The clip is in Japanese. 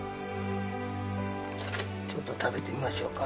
ちょっと食べてみましょうか。